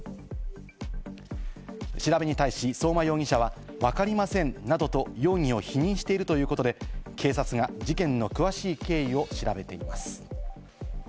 調べに対し、相馬容疑者はわかりませんなどと容疑を否認しているということで警察が事件の詳しい経緯を調べています。